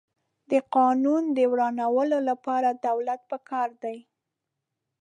د قانون د ورانولو لپاره دولت پکار دی.